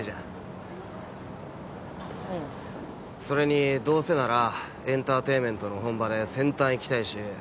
それにどうせならエンターテインメントの本場で先端いきたいし。